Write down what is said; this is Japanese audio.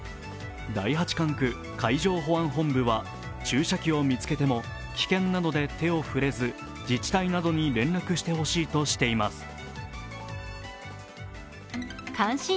第八管区海上保安本部は注射器を見つけても危険なので手を触れず、自治体などに連絡してほしいとしています。